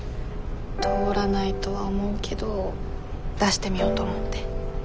通らないとは思うけど出してみようと思って。